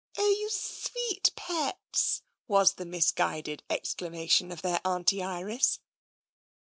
" Oh, you sweet pets !" was the misguided exclama tion of tfieir Auntie Iris.